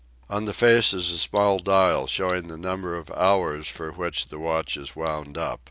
On the face is a small dial showing the number of hours for which the watch is wound up.